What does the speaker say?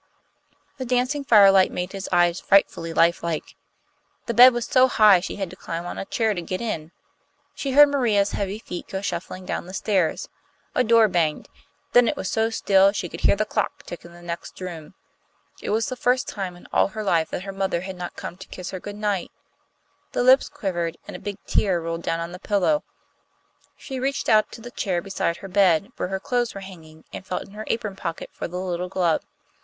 The dancing firelight made his eyes frightfully lifelike. The bed was so high she had to climb on a chair to get in. She heard Maria's heavy feet go shuffling down the stairs. A door banged. Then it was so still she could hear the clock tick in the next room. It was the first time in all her life that her mother had not come to kiss her good night. Her lips quivered, and a big tear rolled down on the pillow. She reached out to the chair beside her bed, where her clothes were hanging, and felt in her apron pocket for the little glove.